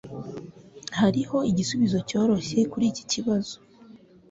Hariho igisubizo cyoroshye kuri iki kibazo.